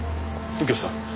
右京さん。